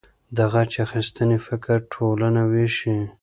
د غچ اخیستنې فکر ټولنه ویشي.